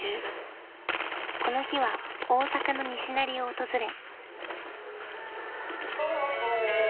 ［この日は大阪の西成を訪れ］